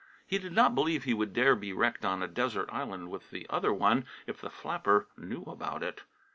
He did not believe he would dare be wrecked on a desert island with the other one, if the flapper knew about it.